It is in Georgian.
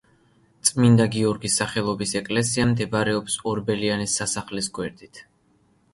წმინდა გიორგის სახელობის ეკლესია მდებარეობს ორბელიანების სასახლის გვერდით.